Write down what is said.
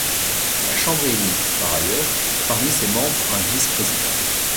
La chambre élit par ailleurs parmi ses membres un vice-président.